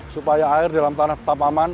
supaya air dalam tanah tetap aman